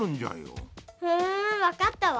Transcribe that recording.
ふんわかったわ。